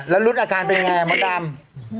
แล้วรูสอาการเป็นยังไงม้อนดำ